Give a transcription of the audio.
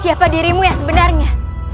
siapa dirimu ya sebenarnya